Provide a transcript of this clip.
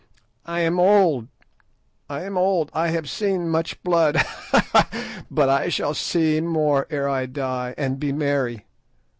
"I am old! I am old! I have seen much blood; ha, ha! but I shall see more ere I die, and be merry.